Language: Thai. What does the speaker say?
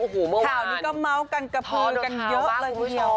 ข่าวนี้ก็เม้ากันกระพืยกันเยอะหละเงี้ย